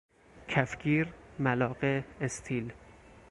کفگیر ملاقه استیل